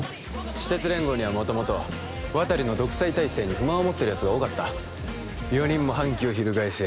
私鉄連合には元々渡利の独裁体制に不満を持ってる奴が多かった四人も反旗を翻しゃ